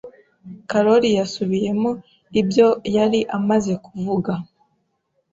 Karoli yasubiyemo ibyo yari amaze kuvuga.